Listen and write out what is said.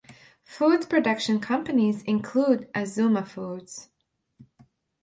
Food production companies include Azuma Foods.